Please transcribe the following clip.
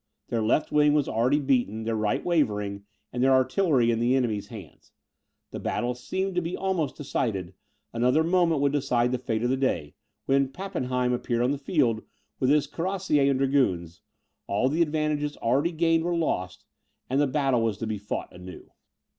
Their left wing was already beaten, their right wavering, and their artillery in the enemy's hands. The battle seemed to be almost decided; another moment would decide the fate of the day, when Pappenheim appeared on the field, with his cuirassiers and dragoons; all the advantages already gained were lost, and the battle was to be fought anew.